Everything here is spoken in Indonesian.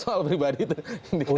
soal pribadi itu indikasinya apa sih